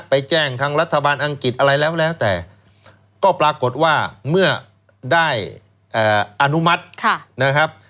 ไปแจ้งทางรัฐบาลอังกฤษอะไรแล้วแล้วแต่ก็ปรากฏว่าเมื่อได้อนุมัตินะครับ